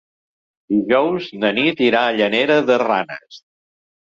Dijous na Nit irà a Llanera de Ranes.